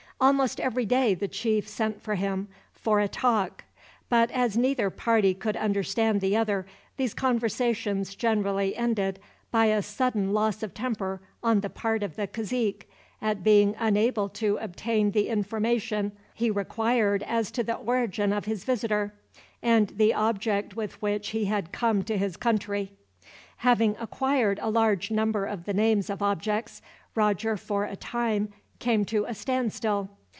Almost every day the chief sent for him, for a talk; but as neither party could understand the other, these conversations generally ended by a sudden loss of temper, on the part of the cazique, at being unable to obtain the information he required as to the origin of his visitor, and the object with which he had come to his country. Having acquired a large number of the names of objects, Roger, for a time, came to a standstill.